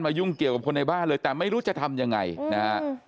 ยุ่งเกี่ยวกับคนในบ้านเลยแต่ไม่รู้จะทำยังไงนะฮะ